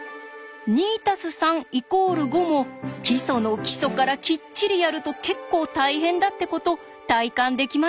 「２＋３＝５」も基礎の基礎からきっちりやると結構大変だってこと体感できましたね。